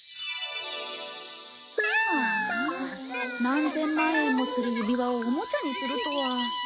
何千万円もする指輪をおもちゃにするとは。